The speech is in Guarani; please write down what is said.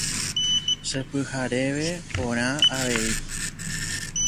Chepyhareve porã avei.